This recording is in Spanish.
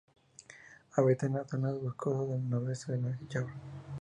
Habita en las zonas boscosas del noroeste de Java.